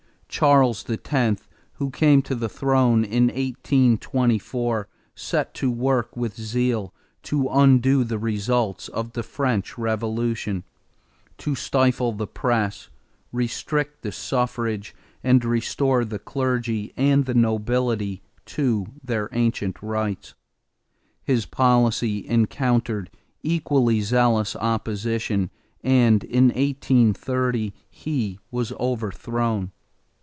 Charles X, who came to the throne in 1824, set to work with zeal to undo the results of the French Revolution, to stifle the press, restrict the suffrage, and restore the clergy and the nobility to their ancient rights. His policy encountered equally zealous opposition and in 1830 he was overthrown.